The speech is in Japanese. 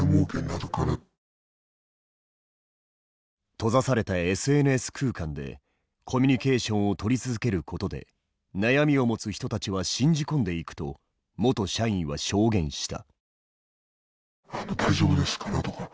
閉ざされたＳＮＳ空間でコミュニケーションを取り続けることで悩みを持つ人たちは信じ込んでいくと元社員は証言した。